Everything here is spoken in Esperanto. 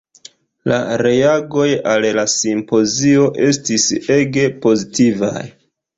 La reagoj al la simpozio estis ege pozitivaj.